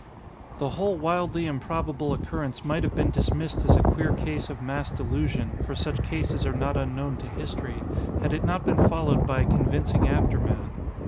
The whole wildly improbable occurrence might have been dismissed as a queer case of mass delusion, for such cases are not unknown to history, had it not been followed by a convincing aftermath.